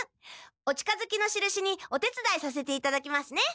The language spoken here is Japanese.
お近づきのしるしにお手つだいさせていただきますね。